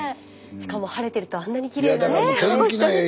しかも晴れてるとあんなにきれいなんですね。